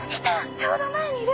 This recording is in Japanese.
ちょうど前にいる！